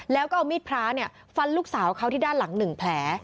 แล้วก็เอามีดพระฟันลูกสาวเขาที่ด้านหลัง๑แผล